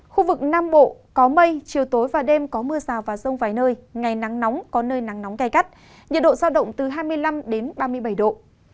khu vực nam bộ có mây chiều tối và đêm có mưa rào và rông vài nơi ngày nắng nóng có nơi nắng nóng gai gắt nhiệt độ giao động từ hai mươi năm ba mươi bảy độ